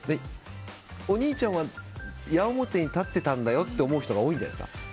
お兄ちゃんは矢面に立ってたんだよって思う人が多いんじゃないですか。